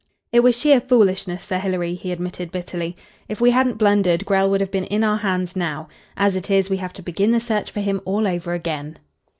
"It was sheer foolishness, Sir Hilary," he admitted bitterly. "If we hadn't blundered Grell would have been in our hands now. As it is, we have to begin the search for him all over again."